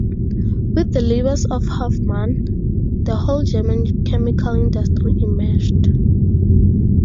With the labours of Hofmann, the whole German chemical industry emerged.